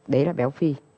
đấy là béo phi